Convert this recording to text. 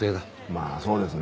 まあそうですね。